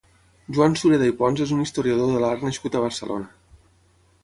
Joan Sureda i Pons és un historiador de l'art nascut a Barcelona.